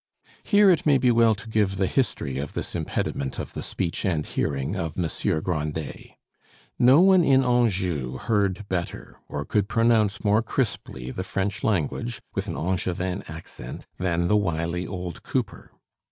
Here it may be well to give the history of this impediment of the speech and hearing of Monsieur Grandet. No one in Anjou heard better, or could pronounce more crisply the French language (with an Angevin accent) than the wily old cooper.